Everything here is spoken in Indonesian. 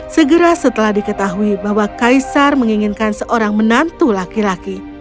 segera setelah diketahui bahwa kaisar menginginkan seorang menantu laki laki